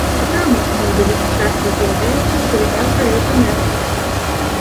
У храмах модулем часта з'яўляецца шырыня пралёта нефа.